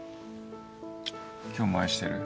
今日も愛してる？